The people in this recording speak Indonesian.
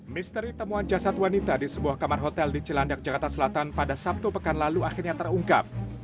misteri temuan jasad wanita di sebuah kamar hotel di cilandak jakarta selatan pada sabtu pekan lalu akhirnya terungkap